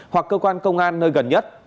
hoặc cơ quan công an nơi gần nhất